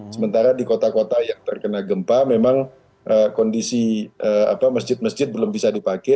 sementara di kota kota yang terkena gempa memang kondisi masjid masjid belum bisa dipakai